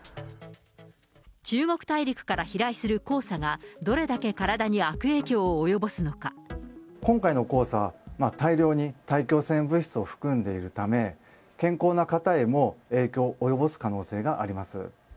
中国大陸から飛来する黄砂が、今回の黄砂、大量に大気汚染物質を含んでいるため、健康な方へも影響を及ぼす可能性があります。